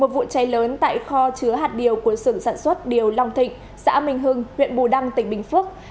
một vụ cháy lớn tại kho chứa hạt điều của sưởng sản xuất điều long thịnh xã minh hưng huyện bù đăng tỉnh bình phước